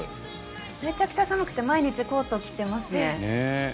めちゃくちゃ寒くて毎日コート着てますね。